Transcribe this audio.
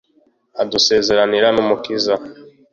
Udusezeranira n'Umukiza